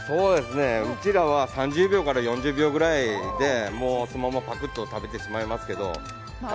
うちらは３０秒から４０秒ぐらいで、そのままパクッと食べてしまいますけど。